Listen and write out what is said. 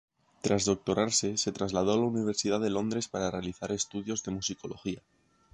Tras doctorarse, se trasladó a la Universidad de Londres para realizar estudios de Musicología.